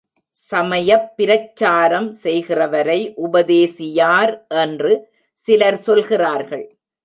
சமயப் பிரச்சாரம் செய்கிறவரை உபதேசியார் என்று சிலர் சொல்கிறார்கள்.